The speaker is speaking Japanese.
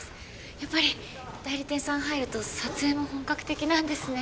やっぱり代理店さん入ると撮影も本格的なんですね